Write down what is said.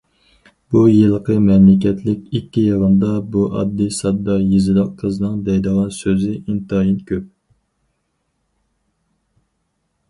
بۇ يىلقى مەملىكەتلىك ئىككى يىغىندا بۇ ئاددىي- ساددا يېزىلىق قىزنىڭ دەيدىغان سۆزى ئىنتايىن كۆپ.